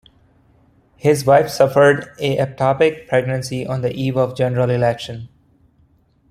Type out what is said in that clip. His wife suffered a ectopic pregnancy on the eve of the General Election.